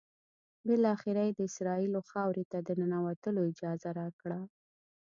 بالآخره یې د اسرائیلو خاورې ته د ننوتلو اجازه راکړه.